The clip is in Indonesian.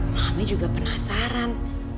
mami juga penasaran